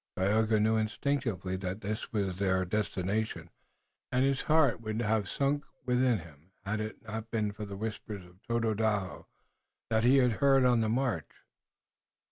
Tayoga knew instinctively that this was their destination, and his heart would have sunk within him had it not been for the whispers of Tododaho that he had heard on the march.